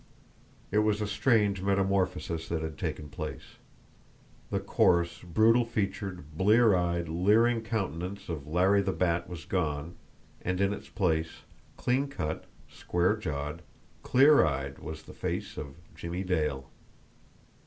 It was a strange metamorphosis that had taken place the coarse, brutal featured, blear eyed, leering countenance of Larry the Bat was gone, and in its place, clean cut, square jawed, clear eyed, was the face of Jimmie Dale.